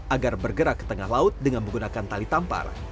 agar bergerak ke tengah laut dengan menggunakan tali tampar